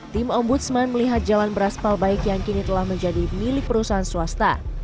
tim ombudsman melihat jalan beraspal baik yang kini telah menjadi milik perusahaan swasta